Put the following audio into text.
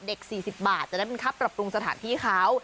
๔๐บาทจะได้เป็นค่าปรับปรุงสถานที่เขา